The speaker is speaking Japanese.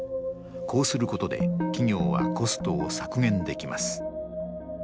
こうすることで企業はコストを削減できます。